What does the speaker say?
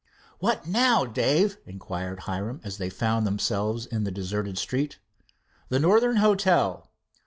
"What now, Dave?" inquired Hiram, as they found themselves in the deserted street. "The Northern Hotel."